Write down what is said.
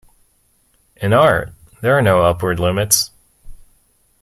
In art there are no upward limits.